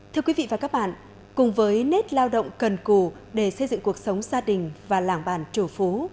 thưa quý vị và các bạn cùng với nét lao động cần cù để xây dựng cuộc sống gia đình và làng bàn chủ phú